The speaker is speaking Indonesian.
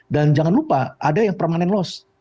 dan jangan lupa ada yang permanent loss